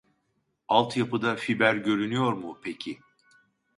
Alt yapıda fiber görünüyor mu peki ?